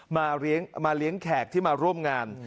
มาเลี้ยงแขกที่มาร่วมงาน